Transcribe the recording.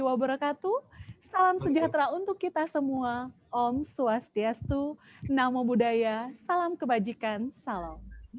wabarakatuh salam sejahtera untuk kita semua om swastiastu nama budaya salam kebajikan salam